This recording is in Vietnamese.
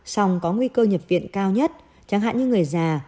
song có nguy cơ nhập viện cao nhất chẳng hạn như người già